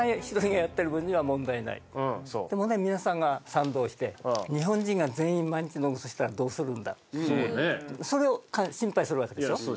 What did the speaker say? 一人がやってる分には問題ない問題は皆さんが賛同して日本人が全員毎日野グソしたらどうするんだそうねえそれを心配するわけでしょ？